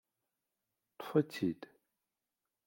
Ṭṭfet-t-id!